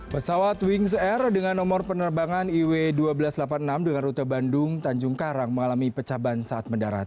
pesawat wings air dengan nomor penerbangan iw seribu dua ratus delapan puluh enam dengan rute bandung tanjung karang mengalami pecah ban saat mendarat